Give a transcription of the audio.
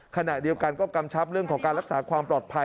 ขณะเดียวกันก็กำชับเรื่องของการรักษาความปลอดภัย